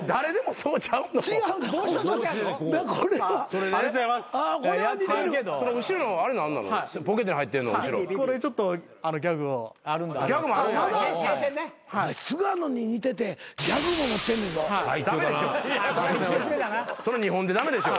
その２本で駄目でしょ。